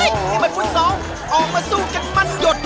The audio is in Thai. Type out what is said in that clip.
ตู้สองออกมาสู้ขังมันหยด